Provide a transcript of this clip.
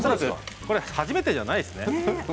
これ初めてじゃないですね。